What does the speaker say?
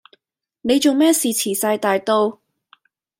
你仲咩事遲晒大到？